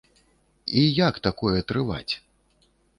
І як такое трываць?